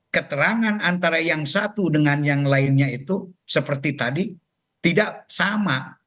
keterangan antara yang satu dengan yang lainnya itu seperti tadi tidak sama